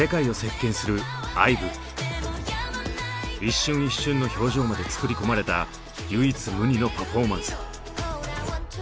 一瞬一瞬の表情まで作り込まれた唯一無二のパフォーマンス。